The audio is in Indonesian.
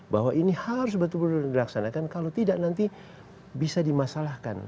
bahwa ini harus betul betul dilaksanakan kalau tidak nanti bisa dimasalahkan